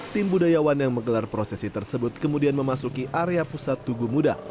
tim budayawan yang menggelar prosesi tersebut kemudian memasuki area pusat tugu muda